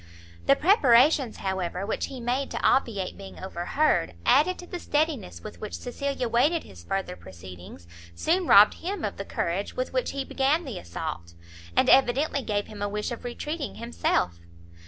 The preparations, however, which he made to obviate being overheard, added to the steadiness with which Cecilia waited his further proceedings, soon robbed him of the courage with which he began the assault, and evidently gave him a wish of retreating himself.